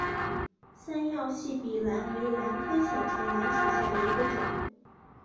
三药细笔兰为兰科小唇兰属下的一个种。